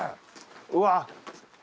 うわっ。